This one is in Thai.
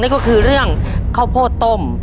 ก็คือเรื่องข้าวโพดต้ม